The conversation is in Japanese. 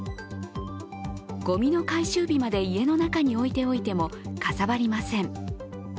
ごみの回収日まで家の中に置いておいてもかさばりません。